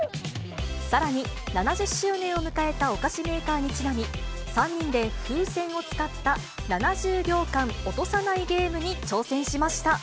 さらに、７０周年を迎えたお菓子メーカーにちなみ、３人で風船を使った７０秒間落とさないゲームに挑戦しました。